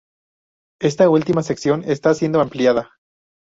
Esta última sección está siendo ampliada.